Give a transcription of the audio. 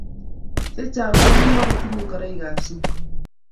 Chechang ko kimukotinyei ngoroikab sukul